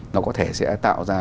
nó có thể sẽ tạo ra